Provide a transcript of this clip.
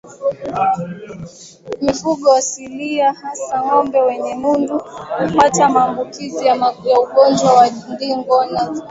Mifugo asilia hasa ngombe wenye nundu hupata maambukizi ya ugonjwa wa ndigana kali